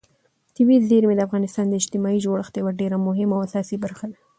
طبیعي زیرمې د افغانستان د اجتماعي جوړښت یوه ډېره مهمه او اساسي برخه ده.